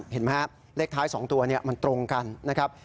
เห็นไหมฮะเลขท้าย๒ตัวมันตรงกันนะครับ